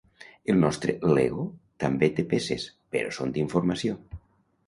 El nostre L'Ego també té peces, però són d'informació.